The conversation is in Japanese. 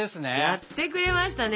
やってくれましたね。